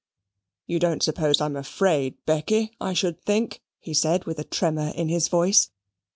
"You don't suppose I'm afraid, Becky, I should think," he said, with a tremor in his voice.